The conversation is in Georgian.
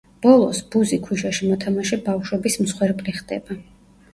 ბოლოს, ბუზი ქვიშაში მოთამაშე ბავშვების მსხვერპლი ხდება.